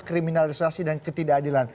kriminalisasi dan ketidakadilan